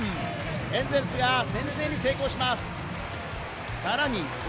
エンゼルスが先制に成功します。